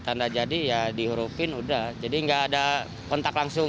tanda jadi ya di hurufin udah jadi enggak ada kontak langsung ketemu gitu meski pembelian hewan kurban saat ini